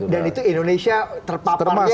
dan itu indonesia terpaparnya